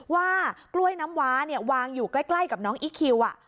ว่ากล้วยน้ำว้าวางอยู่ใกล้กับน้องอีคคิว